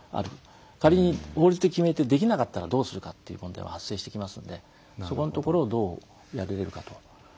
仮に法律で決めてできなかったらどうするかっていう問題も発生してきますのでそこんところをどうやれるかと。